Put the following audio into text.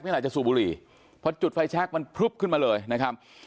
นี่อาจจะสูบบุหรี่เพราะจุดไฟชักมันพลึกขึ้นมาเลยนะครับ